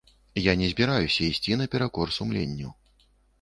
Я не збіраюся ісці наперакор сумленню.